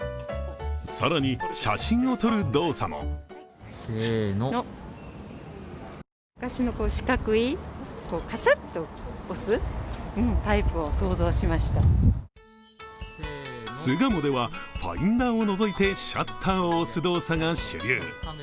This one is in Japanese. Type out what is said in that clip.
更に、写真を撮る動作も巣鴨では、ファインダーをのぞいてシャッターを押す動作が主流。